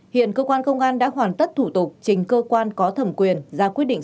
hiện cơ quan công an đã hoàn tất thủ tục trình cơ quan có thẩm quyền ra quyết định